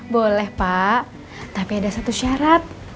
boleh pak tapi ada satu syarat